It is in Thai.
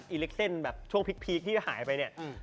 อีเล็กเส้นช่วงพลิกที่หายไปเนี่ย